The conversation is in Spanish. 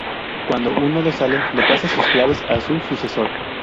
Cuando un nodo sale, le pasa sus claves a su sucesor.